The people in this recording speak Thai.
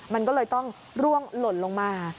มันก็เลยต้องร่วงหล่นลงมา